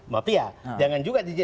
mafia jangan juga